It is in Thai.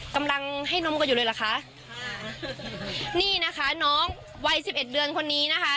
กำลังให้นมกันอยู่เลยเหรอคะค่ะนี่นะคะน้องวัยสิบเอ็ดเดือนคนนี้นะคะ